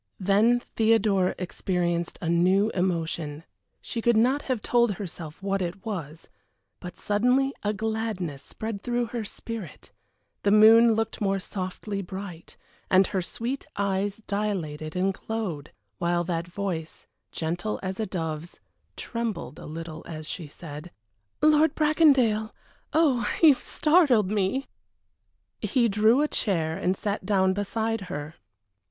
Then Theodora experienced a new emotion; she could not have told herself what it was, but suddenly a gladness spread through her spirit; the moon looked more softly bright, and her sweet eyes dilated and glowed, while that voice, gentle as a dove's, trembled a little as she said: "Lord Bracondale! Oh, you startled me!" He drew a chair and sat down behind her.